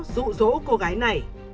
rụ rỗ cô gái này